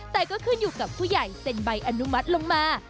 แต่ก็ขึ้นอยู่กับผู้ใหญ่เซ็นใบอนุมัติลงมา